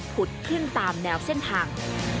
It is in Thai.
ขึ้นตามแนวเส้นทาง